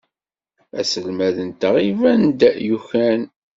Aselmad-nteɣ iban-d yukan.